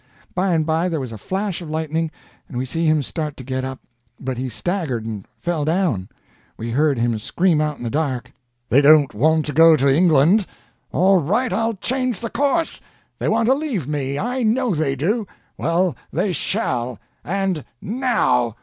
By and by there was a flash of lightning, and we see him start to get up, but he staggered and fell down. We heard him scream out in the dark: "They don't want to go to England. All right, I'll change the course. They want to leave me. I know they do. Well, they shall—and _now!